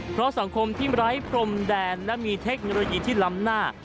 เพราะสังคมที่ไร้พรมแดนและมีเทคโนโลยีที่ล้ำหน้า